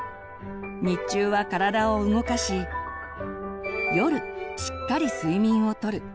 日中は体を動かし夜しっかり睡眠をとる。